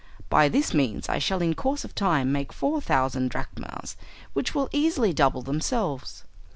By this means I shall in course of time make four thousand drachmas, which will easily double themselves.